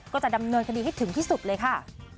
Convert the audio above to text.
ก็จะดำเนินคดีให้ถึงที่สุดเลยค่ะ